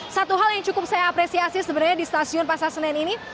satu hal yang cukup saya apresiasi sebenarnya di stasiun pasar senen ini